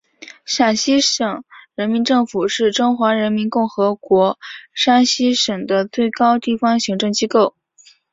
山西省人民政府是中华人民共和国山西省的最高地方行政机构。